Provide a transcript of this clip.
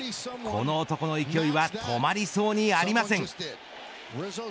この男の勢いは止まりそうにありません。